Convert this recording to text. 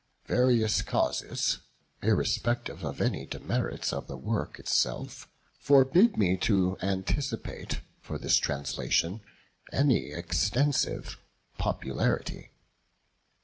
Various causes, irrespective of any demerits of the work itself, forbid me to anticipate for this translation any extensive popularity.